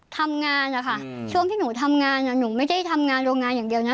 ทำงานอะค่ะช่วงที่หนูทำงานหนูไม่ได้ทำงานโรงงานอย่างเดียวนะ